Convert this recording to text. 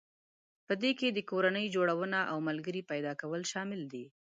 په دې کې د کورنۍ جوړونه او ملګري پيدا کول شامل دي.